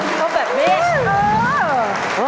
ต้องแบบนี้